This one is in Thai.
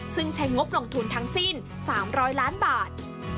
ซึ่งใช้งบลงทุนทั้งสิ้น๓๐๐ล้านบาท